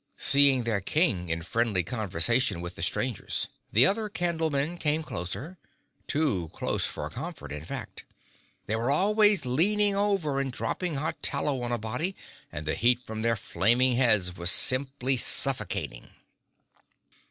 Seeing their King in friendly conversation with the strangers, the other Candlemen came closer—too close for comfort, in fact. They were always leaning over and dropping hot tallow on a body and the heat from their flaming heads was simply suffocating.